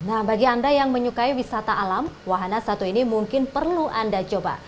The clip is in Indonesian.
nah bagi anda yang menyukai wisata alam wahana satu ini mungkin perlu anda coba